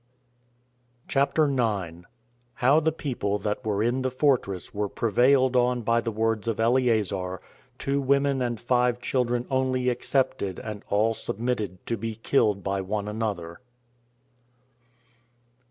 CHAPTER 9. How The People That Were In The Fortress Were Prevailed On By The Words Of Eleazar, Two Women And Five Children Only Excepted And All Submitted To Be Killed By One Another.